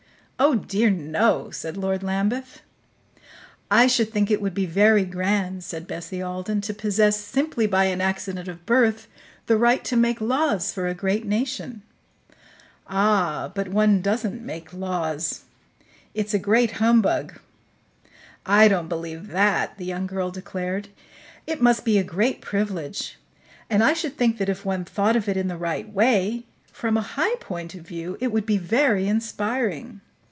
"Oh, dear, no," said Lord Lambeth. "I should think it would be very grand," said Bessie Alden, "to possess, simply by an accident of birth, the right to make laws for a great nation." "Ah, but one doesn't make laws. It's a great humbug." "I don't believe that," the young girl declared. "It must be a great privilege, and I should think that if one thought of it in the right way from a high point of view it would be very inspiring."